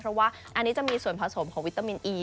อันนี้จะมีส่วนผสมของวิตามินอี